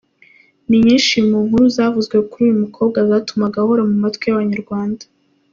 Ni nyinshi mu nkuru zavuzwe kuri uyu mukobwa zatumaga ahora mu matwi y’Abanyarwanda.